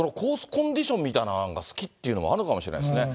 コンディションみたいなのが好きっていうのもあるのかもしれないですね。